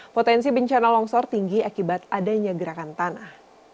potensi bencana longsor tinggi akibat adanya gerakan tanah